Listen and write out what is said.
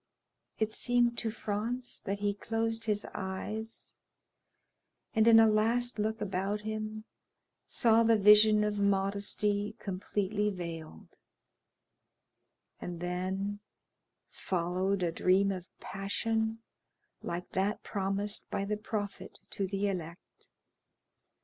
It seemed to Franz that he closed his eyes, and in a last look about him saw the vision of modesty completely veiled; and then followed a dream of passion like that promised by the Prophet to the elect.